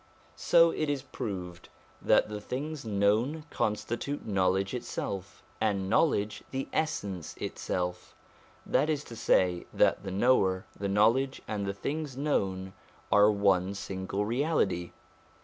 So it is proved that the things known constitute knowledge itself, and knowledge the Essence itself: that is to say, that the Knower, the knowledge, and the things known, are one single reality.